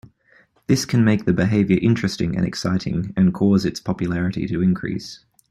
This can make the behavior interesting and exciting, and cause its popularity to increase.